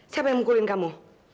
siapa yang mungkulin kamu